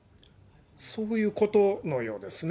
そういうことのようですね。